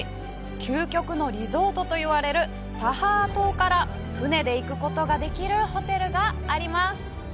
究極のリゾートといわれるタハア島から船で行くことができるホテルがあります。